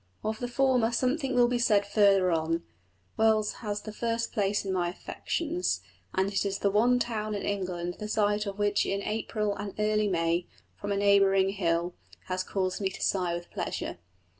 Of the former something will be said further on: Wells has the first place in my affections, and is the one town in England the sight of which in April and early May, from a neighbouring hill, has caused me to sigh with pleasure.